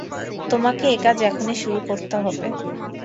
তোমাকে এ কাজ এখনই শুরু করতে হবে।